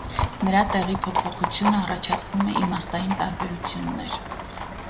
Նրա տեղի փոփոխությունը առաջացնում է իմաստային տարբերություններ։